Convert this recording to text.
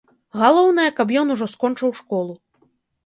Галоўнае, каб ён ужо скончыў школу.